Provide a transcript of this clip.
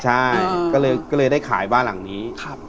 ใช่ก็เลยได้ขายบ้านหลังนี้